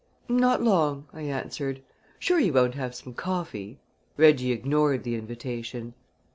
"Not long," I answered. "Sure you won't have some coffee?" Reggie ignored the invitation.